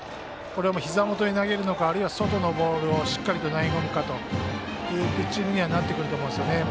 ひざ元に投げるのかあるいは外のボールをしっかりと投げ込むかというピッチングになってくると思います。